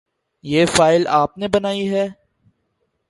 یہ فائل آپ نے بنائی ہے ؟